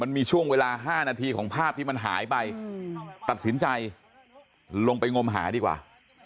มันมีช่วงเวลา๕นาทีของภาพที่มันหายไปตัดสินใจลงไปงมหาดีกว่า